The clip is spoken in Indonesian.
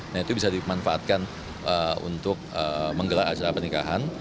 nah itu bisa dimanfaatkan untuk menggelar acara pernikahan